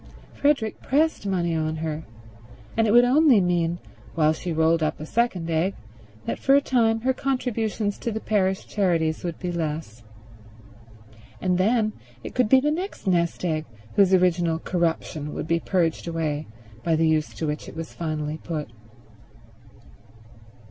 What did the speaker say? Frederick pressed money on her; and it would only mean, while she rolled up a second egg, that for a time her contributions to the parish charities would be less. And then it could be the next nest egg whose original corruption would be purged away by the use to which it was finally put.